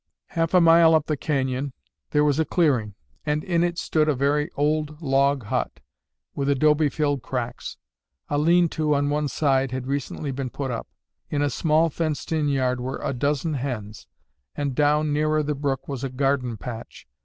Half a mile up the canyon there was a clearing, and in it stood a very old log hut with adobe filled cracks. A lean to on one side had recently been put up. In a small, fenced in yard were a dozen hens, and down nearer the brook was a garden patch.